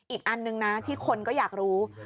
อีกอันนึงนะที่คนก็อยากรู้